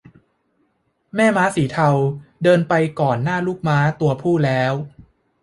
แม่ม้าสีเทาเดินไปก่อนหน้าลูกม้าตัวผู้แล้ว